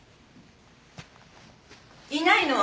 いないの？